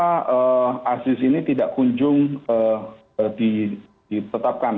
kenapa aziz ini tidak kunjung di tetapkan